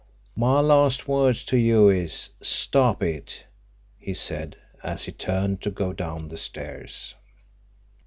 "My last words to you is, Stop it!" he said, as he turned to go down the stairs.